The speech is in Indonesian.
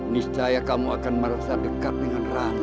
nisjaya kamu akan merasa dekat dengan ranti